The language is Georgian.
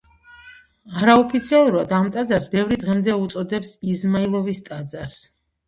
არაოფიციალურად ამ ტაძარს ბევრი დღემდე უწოდებს იზმაილოვის ტაძარს.